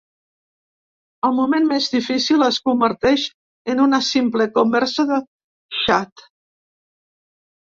El moment més difícil es converteix en una simple conversa de xat.